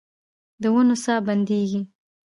د ونو ساه بندیږې